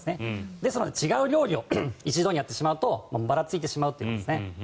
ですので、違う料理を一度にやってしまうとばらついてしまいますね。